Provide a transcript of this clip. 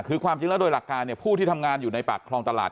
คือความจริงแล้วโดยหลักการเนี่ยผู้ที่ทำงานอยู่ในปากคลองตลาด